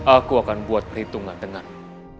aku akan buat perhitungan tengah